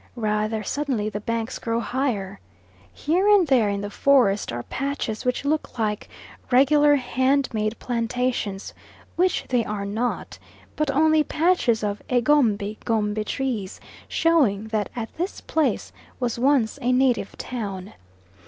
Rather suddenly the banks grow higher. Here and there in the forest are patches which look like regular hand made plantations, which they are not, but only patches of egombie gombie trees, showing that at this place was once a native town.